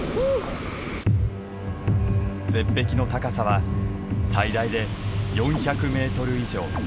絶壁の高さは最大で４００メートル以上。